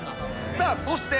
さあそして。